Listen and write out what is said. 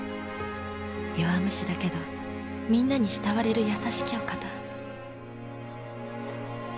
弱虫だけどみんなに慕われる優しきお方。